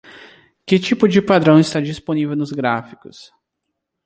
Que tipo de padrão está disponível nos gráficos?